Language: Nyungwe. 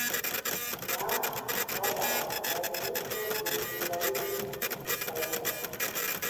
Nyama, ntsomba na mazay ndibzo bzinifunika lini ku sayika.